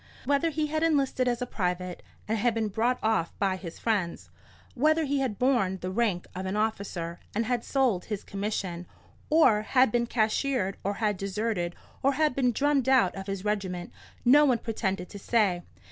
Whether he had enlisted as a private, and had been bought off by his friends; whether he had borne the rank of an officer, and had sold his commission, or had been cashiered, or had deserted, or had been drummed out of his regiment,—no one pretended to say.